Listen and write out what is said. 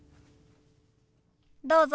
どうぞ。